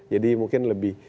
jadi mungkin lebih